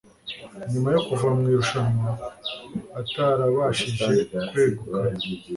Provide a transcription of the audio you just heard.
nyuma yo kuva mu irushanwa atarabashije kwegukana